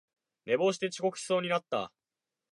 寝坊して遅刻しそうになった